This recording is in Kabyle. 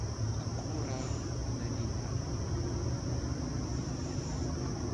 Teggurreɛ-d Taninna.